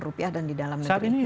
rupiah dan di dalam negeri